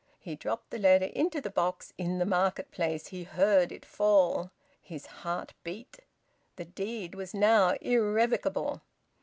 He dropped the letter into the box in the market place; he heard it fall. His heart beat. The deed was now irrevocable.